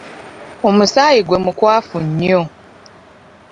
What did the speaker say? Omusaayi gwe mukwafu nnyo.